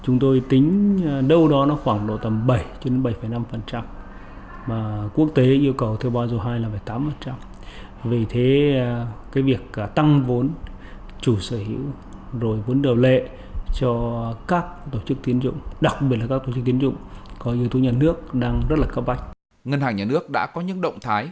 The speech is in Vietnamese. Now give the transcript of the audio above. ngân hàng nhà nước đã có những động thái